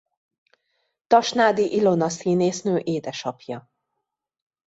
Tasnádi Ilona színésznő édesapja.